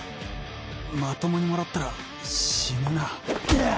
まともにもらったら死ぬなぁ